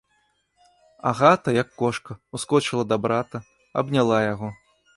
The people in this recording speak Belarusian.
Агата, як кошка, ускочыла да брата, абняла яго.